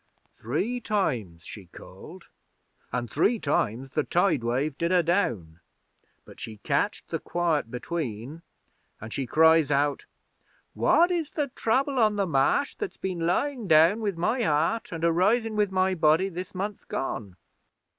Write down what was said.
'Three times she called, an' three times the Tide wave did her down. But she catched the quiet between, an' she cries out, "What is the Trouble on the Marsh that's been lying down with my heart an' arising with my body this month gone?"